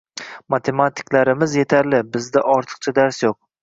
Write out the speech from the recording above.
Matematiklarimiz yetarli, bizda ortiqha dars yoʻq.